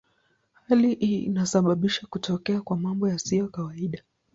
Hali hii inasababisha kutokea kwa mambo yasiyo kawaida.